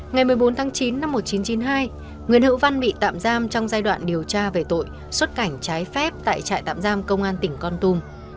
ngày một mươi bốn tháng chín năm một nghìn chín trăm chín mươi hai nguyễn hữu văn bị tạm giam trong giai đoạn điều tra về tội xuất cảnh trái phép tại trại tạm giam công an tỉnh con tum